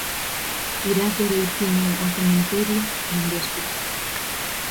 Irás dereitiño ó cemiterio dende o hospital.